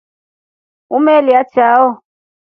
Umelya chao?